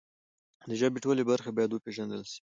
د ژبې ټولې برخې باید وپیژندل سي.